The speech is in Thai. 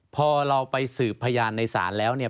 พอเราไปสืบพยานในศาลแล้วเนี่ย